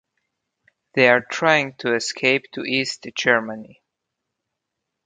They are trying to escape to East Germany.